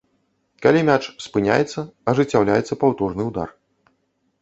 Калі мяч спыняецца ажыццяўляецца паўторны ўдар.